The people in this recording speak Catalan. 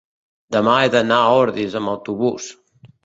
demà he d'anar a Ordis amb autobús.